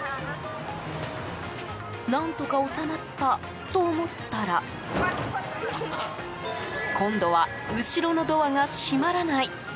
何とか収まったと思ったら今度は後ろのドアが閉まらない。